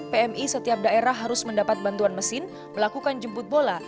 pmi setiap daerah harus mendapat bantuan mesin melakukan jemput bola